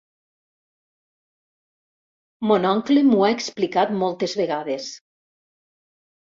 Mon oncle m'ho ha explicat moltes vegades.